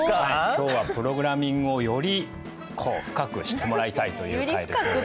今日はプログラミングをよりこう深く知ってもらいたいという回ですので。